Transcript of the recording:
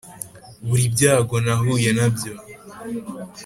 buri byago nahuye nabyo.